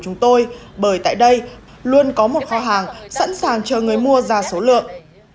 chúng tôi bởi tại đây luôn có một kho hàng sẵn sàng chờ người mua ra số lượng